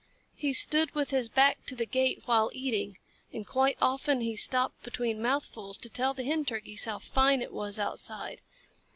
He stood with his back to the gate while eating, and quite often he stopped between mouthfuls to tell the Hen Turkeys how fine it was outside.